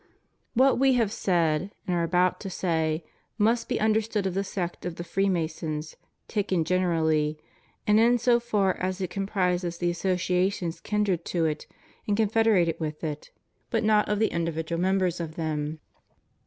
What We have said, and are about to say, must be understood of the sect of the Freemasons taken gener ically, and in so far as it comprises the associations kin dred to it and confederated with it, but not of the individual members of them.